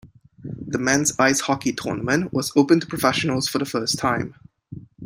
The men's ice hockey tournament was opened to professionals for the first time.